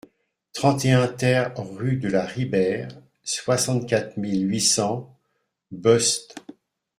trente et un TER rue de la Ribère, soixante-quatre mille huit cents Beuste